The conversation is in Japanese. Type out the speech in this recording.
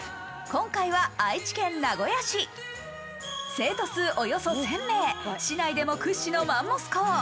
生徒数およそ１０００名市内でも屈指のマンモス校。